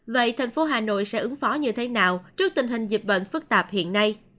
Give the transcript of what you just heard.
vậy thành phố hà nội sẽ ứng phó như thế nào trước tình hình dịch bệnh phức tạp hiện nay